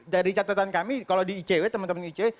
dari catatan kami kalau di icw teman teman icw